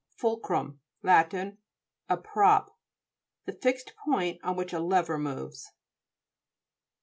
FU'LCRUM Lat. A prop. The fixed point on which a lever moves.